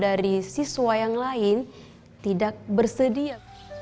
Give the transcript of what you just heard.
dari siswa yang lain tidak bersedia